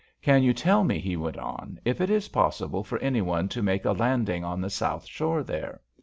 "Can you tell me," he went on, "if it is possible for anyone to make a landing on the south shore, there?